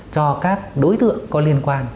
cho các đối tượng có liên quan